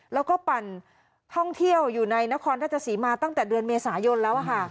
แล้วก็ปั่นท่องเที่ยวอยู่ในนครราชสีมาตั้งแต่เดือนเมษายนแล้ว